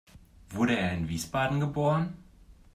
Wurde er in Wiesbaden geboren?